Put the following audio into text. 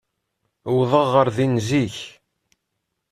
Uwḍeɣ ɣer din zik.